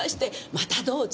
またどうぞ。